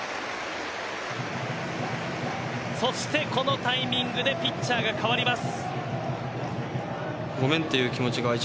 そして、このタイミングでピッチャーが代わります。